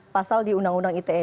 pasal di undang undang ite